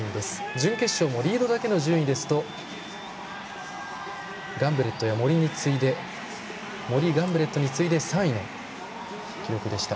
準決勝もリードだけの順位ですと森、ガンブレットに次いで３位の結果でした。